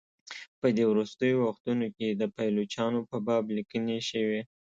په دې وروستیو وختونو کې د پایلوچانو په باب لیکني شوي.